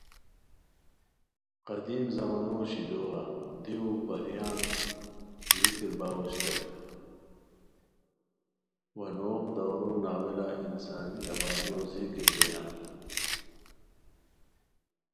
قدیم زمانو شیلوغہ دیو پریان ذکر باؤ اوشتائے وا نوغ دَورو ناولہ انسانی آبادیو ذکر بویان